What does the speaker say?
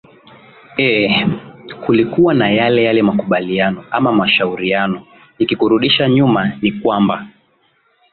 eeh kulikuwa na yale yale makubaliano ama mashauriano nikikurundisha nyuma ni kwamba